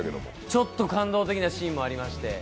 ちょっと感動的なシーンもありまして。